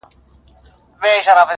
ماتول یې ښکلي لوښي او چاینکي.!